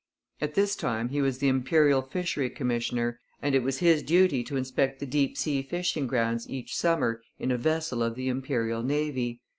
At this time he was the Imperial fishery commissioner, and it was his duty to inspect the deep sea fishing grounds each summer in a vessel of the Imperial Navy.